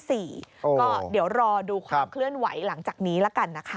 ก็เดี๋ยวรอดูความเคลื่อนไหวหลังจากนี้ละกันนะคะ